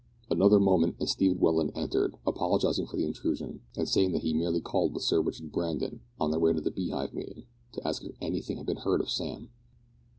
Another moment, and Stephen Welland entered, apologising for the intrusion, and saying that he merely called with Sir Richard Brandon, on their way to the Beehive meeting, to ask if anything had been heard of Sam.